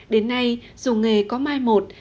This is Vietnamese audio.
đến nay dù nghề có mai một